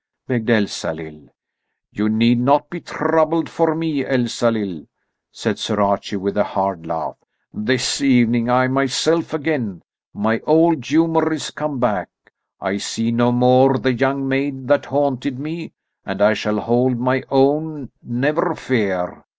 begged Elsalill. "You need not be troubled for me, Elsalill," said Sir Archie with a hard laugh. "This evening I am myself again, my old humour is come back. I see no more the young maid that haunted me, and I shall hold my own, never fear.